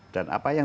dan apa yang